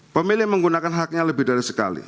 pemilih menggunakan haknya lebih dari sekali